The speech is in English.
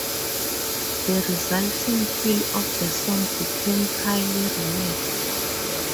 The resulting feel of the song became highly relaxed.